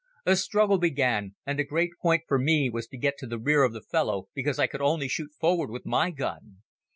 A struggle began and the great point for me was to get to the rear of the fellow because I could only shoot forward with my gun.